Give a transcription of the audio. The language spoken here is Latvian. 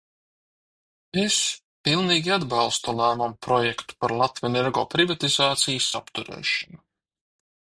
"Es pilnīgi atbalstu lēmuma projektu par "Latvenergo" privatizācijas apturēšanu."